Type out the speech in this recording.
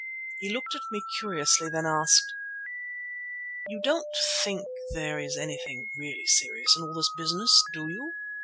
He looked at me curiously, then asked, "You don't think there is anything really serious in all this business, do you?"